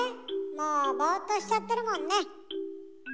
もうボーっとしちゃってるもんね。